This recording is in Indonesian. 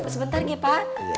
sebentar ya pak